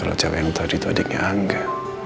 ucap yang tadi itu adiknya angga